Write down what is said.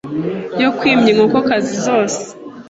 yo kwimya inkokokazi zose,